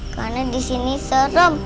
karena disini serem